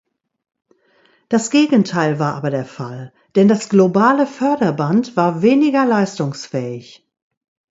Das Gegenteil war aber der Fall, denn das globale Förderband war weniger leistungsfähig.